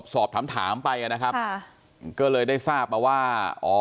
สอบถามถามไปนะครับก็เลยได้ทราบมาว่าอ๋อ